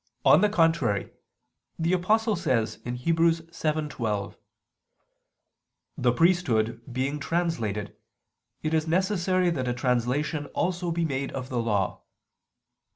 On the contrary, the Apostle says (Heb. 7:12): "The priesthood being translated it is necessary that a translation also be made of the Law."